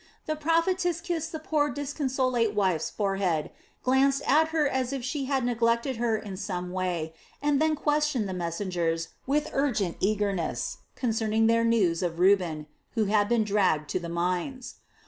The prophetess kissed the poor desolate wife's forehead, glanced at her as if she had neglected her in some way, and then questioned the messengers with urgent eagerness concerning their news of Reuben, who had been dragged to the mines.